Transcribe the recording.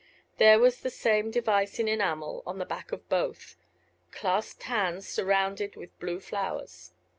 There was the same device in enamel on the back of both: clasped hands surrounded with blue flowers.